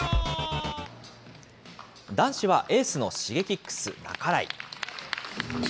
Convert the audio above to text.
男子はエースのＳｈｉｇｅｋｉｘ、半井。